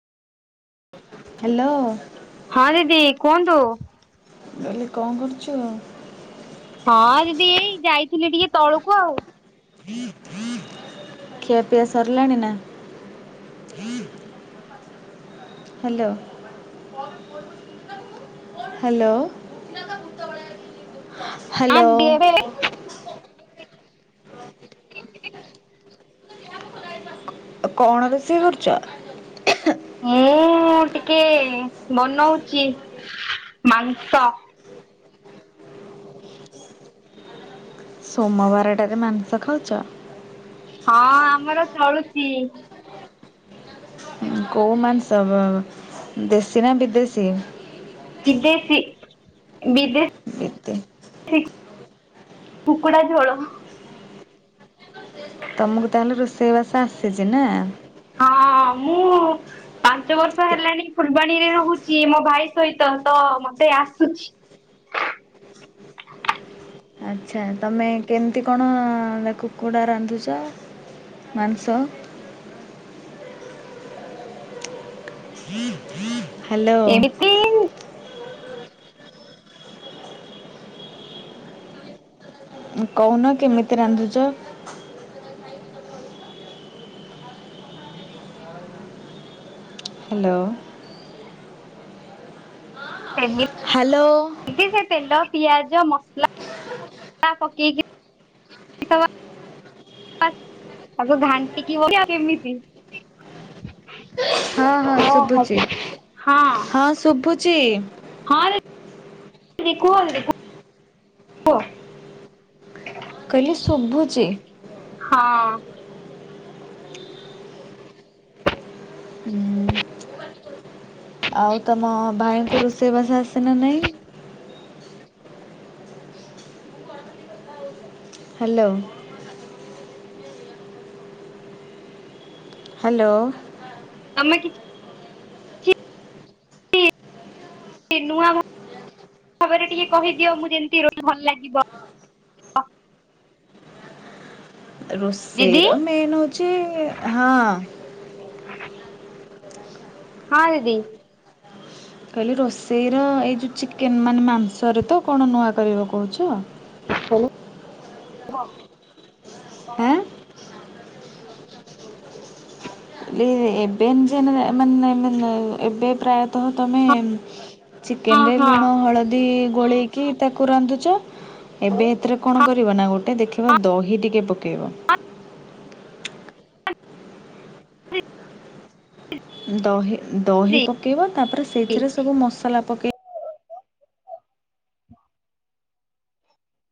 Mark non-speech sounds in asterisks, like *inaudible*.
Hello. ହଁ ଦିଦି କୁହନ୍ତୁ। କଲି କଣ କରୁଚୁ। ହଁ ଦିଦି ଏଇ ଯାଇଥିଲି ଟିକେ ତଳକୁ ଆଉ। ଖିଆ ପିଆ ସରିଲାଣି ନା। ହୁଁ। Hello hello. *inaudible* ନାଁ ଦିଦି *inaudible* କଣ ରୋଷେଇ କରୁଚ। ମୁଁ ଏ ଟିକେ ବନଉଚି ମାଂସ। ସୋମବାରଟା ରେ ମାଂସ ଖାଉଚ। ହଁ ଆମର ଚଳୁଚି। ଉଁ କୋଉ ମାଂସ ଉ ଦେଶୀ ନା ବିଦେଶୀ। ବିଦେଶୀ ବିଦେ ଏତେ ଶୀ କୁକଡ଼ା ଝୋଳ। ତମକୁ ତାହେଲେ ରୋଷେଇବାସ ଆସିଚି ନା। ହଁ ମୁଁ ପାଞ୍ଚ ବର୍ଷ ହେଲାଣି ଫୁଲବାଣୀରେ ରହୁଛି ମୋ ଭାଇ ସହିତ ତ ମତେ ଆସୁଚି। ଆଚ୍ଛା ତମେ କେମିତି କଣ କୁକୁଡ଼ା ରାନ୍ଧୁଛ ମାଂସ। ହ ହୁଁ। ହ୍ୟାଲୋ। ଏମିତି କହୁନ କେମିତି ରାନ୍ଧୁଛ। ହ୍ୟାଲୋ। *inaudible* ହ୍ୟାଲୋ। ଟିକେ ସେ ତେଲ ପିଆଜ ମସ ଲା ପକେଇକି *inaudible* *unintelligible* ଘାଣ୍ଟିକି *inaudible* କେମିତି। ହଁ ହଁ ଶୁଭୁଛି। ହଁ ହଁ ରେ *unintelligible* *unintelligible* କହିଲି ଶୁଭୁଚି। ହଁ। ହୁଁ। ଆଉ ତମ ଭାଇଙ୍କୁ ରୋଷେଇବାସ ଆସେନା ନାଇଁ? ହ୍ୟାଲୋ। ହ୍ୟାଲୋ। ତମେ କିଛି ସେ ନୂଆ ଭାବରେ ଟିକେ କହିଦିଅ ମୁଁ ଯେମିତି ର ଭଲ ଲାଗିବ। ଦିଦି ରୋଷେଇ ର ମେନ୍ ହଉଛି ହଁ। ହଁ ଦିଦି। କହିଲି ରୋଷେଇର ଏଇ ଯୋଉ ଚିକେନ ମାନେ ମାଂସରେ ତ କଣ ନୂଆ କରିବାକୁ କହୁଛ। ଆଁ *unintelligible* ଲ ଏବୋଇ ମ ଏବୋଇ ପ୍ରାୟତଃ ତମେ ଚିକେନ ରେ ହଁ ଲୁଣ ହଳଦୀ ଗୋଳେଇକି ତାକୁ ରାନ୍ଧୁଛ ହଉ ଏବେ ଏଥିରେ କଣ କରିବ ନା ଗୋଟେ ଦେଖିବା ହଁ ଦହି ଟିକେ ପକେଇବ। ଦହି ଦହି ଦିଦି ପକେଇବା ତାପରେ ସେଥିରେ ସବୁ ମସଲା ପକେଇ